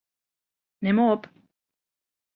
Nim op.